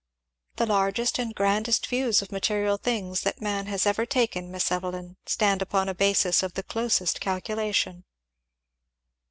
"The largest and grandest views of material things that man has ever taken, Miss Evelyn, stand upon a basis of the closest calculation."